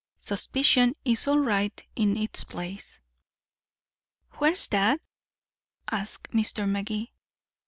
Suspicion is all right in its place." "Where's that?" asked Mr. Magee. Mr.